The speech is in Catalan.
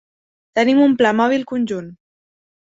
Tenim un pla mòbil conjunt.